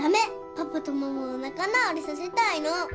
パパとママを仲直りさせたいの。